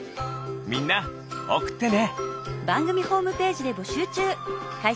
みんなおくってね！